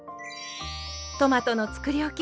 トマトのつくりおき